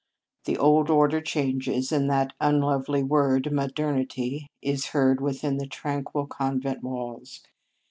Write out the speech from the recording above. The old order changes, and that unlovely word, modernity, is heard within the tran quil convent walls.